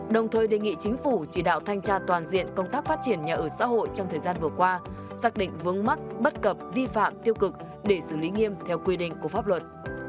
đồng thời đề nghị chính phủ chỉ đạo thanh tra toàn diện công tác phát triển nhà ở xã hội trong thời gian vừa qua xác định vướng mắc bất cập vi phạm tiêu cực để xử lý nghiêm theo quy định của pháp luật